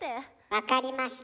分かりました。